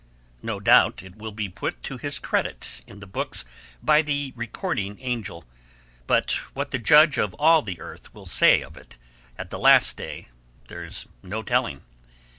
No doubt it will be put to his credit in the books of the Recording Angel, but what the Judge of all the Earth will say of it at the Last Day there is no telling.